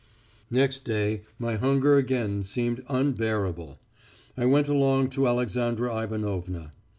"Next day my hunger again seemed unbearable. I went along to Alexandra Ivanovna.